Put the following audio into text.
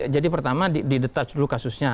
jadi pertama didetach dulu kasusnya